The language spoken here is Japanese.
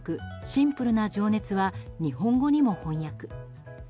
「シンプルな情熱」は日本語にも翻訳。